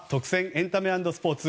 エンタメ＆スポーツ。